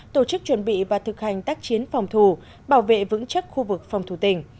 tổ chức chuẩn bị và thực hành tác chiến phòng thù bảo vệ vững chắc khu vực phòng thủ tỉnh